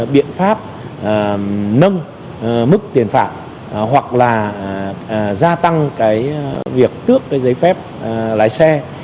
biện pháp nâng mức tiền phạm hoặc là gia tăng cái việc cước cái giấy phép lái xe